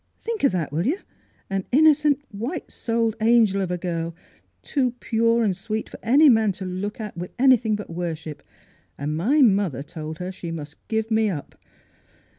Think of that, will you? An innocent, white souled angel of a girl, too pure and sweet for any man to look at with anything but worship. And my mother told her she must give me up.